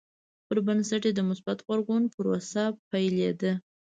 پر بنسټ یې د مثبت غبرګون پروسه پیلېده.